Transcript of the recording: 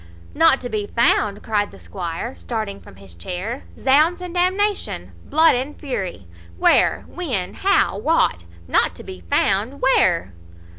"Not to be found!" cries the squire, starting from his chair; "Zounds and d nation! Blood and fury! Where, when, how, what Not to be found! Where?"